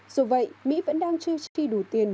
dù vậy mỹ vẫn đang chưa chi đủ tiền